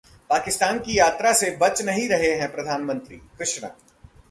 पाकिस्तान की यात्रा से बच नहीं रहे हैं प्रधानमंत्री: कृष्णा